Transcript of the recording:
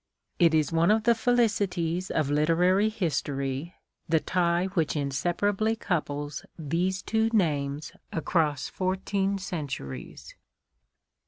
It is one of the felicities of literary history, the tie which inseparably coui)les these two names across fourteen centuries.